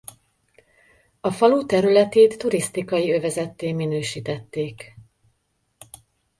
A falu területét turisztikai övezetté minősítették.